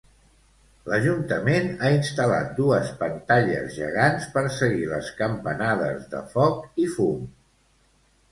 L'ajuntament ha instal·lat dues pantalles gegants per seguir les campanades de foc i fum.